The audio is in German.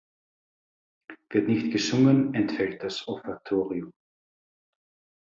Wird nicht gesungen, entfällt das Offertorium.